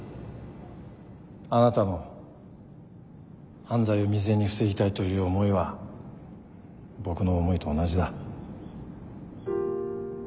あなたの犯罪を未然に防ぎたいという思いは僕の思いと同じだ